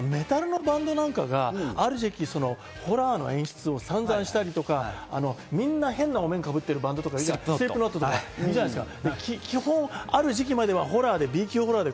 私が覚えているこういうスタイルだと、メタルのバンドなんかがある時期、ホラーの演出を散々したりとか、変なお面かぶってるバンドとか、スリップノットとかいたじゃないですか。